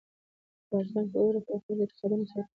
په افغانستان کې اوړي د خلکو د اعتقاداتو سره تړاو لري.